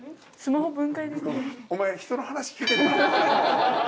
お前人の話聞いてた？